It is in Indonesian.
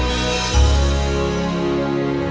sampai jumpa lagi